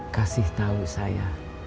kasih tahu saya